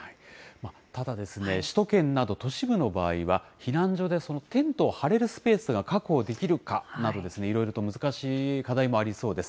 ただですね、首都圏など都市部の場合は、避難所でテントを張れるスペースが確保できるかなど、いろいろと難しい課題もありそうです。